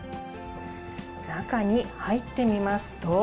中に入ってみますと。